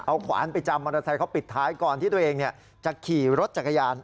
เอาขวานไปจำมอเตอร์ไซค์เขาปิดท้ายก่อนที่ตัวเองจะขี่รถจักรยาน